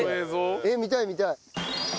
えっ見たい見たい！